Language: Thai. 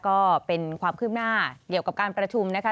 ก็เป็นความคืบหน้าเกี่ยวกับการประชุมนะคะ